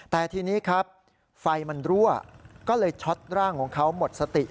แต่ทีนี้ครับไฟมันรั่วก็เลยช็อตร่างของเขาหมดสติ